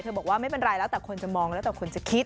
บอกว่าไม่เป็นไรแล้วแต่คนจะมองแล้วแต่คนจะคิด